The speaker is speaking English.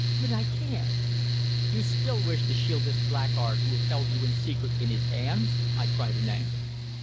"But I can't." "You still wish to shield this blackguard who has held you in secret in his hands?" I cried in anger.